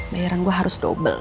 bayaran gue harus double